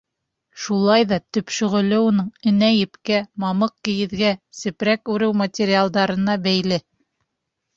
Шулай ҙа төп шөғөлө уның энә-епкә, мамыҡ-кейеҙгә, сепрәк, үреү материалдарына бәйле.